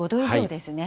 ですね。